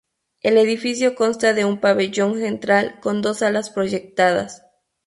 El edificio consta de un pabellón central con dos alas proyectadas.